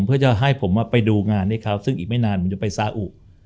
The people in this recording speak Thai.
เพื่อจะให้ผมไปดูงานให้เขาซึ่งอีกไม่นานมันจะไปซาอุ